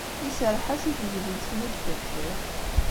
Iserreḥ-as i teydit-nni deg tebḥirt.